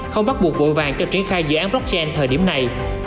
không bắt buộc vội vàng cho triển khai dự án blockchain thời điểm này